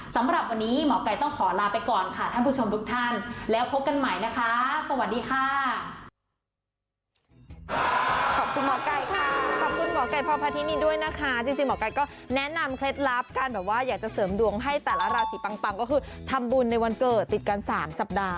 สำหรับวันนี้หมอกัยต้องขอลาไปก่อนค่ะท่านผู้ชมพุทธท่าน